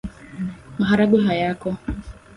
Maharagwe hayako